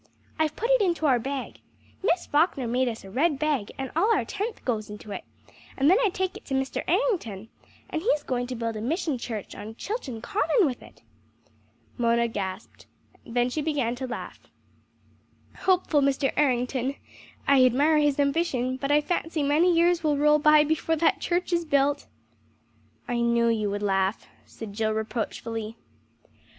"I've put it into our bag. Miss Falkner made us a red bag and all our tenth goes into it, and then I take it to Mr. Errington, and he's going to build a mission church on Chilton Common with it!" Mona gasped, then she began to laugh. "Hopeful Mr. Errington! I admire his ambition, but I fancy many years will roll by before that church is built!" "I knew you would laugh," said Jill reproachfully.